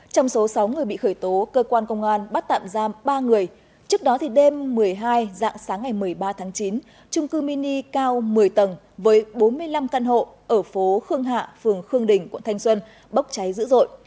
trong số sáu người bị khởi tố cơ quan công an bắt tạm giam ba người trước đó đêm một mươi hai dạng sáng ngày một mươi ba tháng chín trung cư mini cao một mươi tầng với bốn mươi năm căn hộ ở phố khương hạ phường khương đình quận thanh xuân bốc cháy dữ dội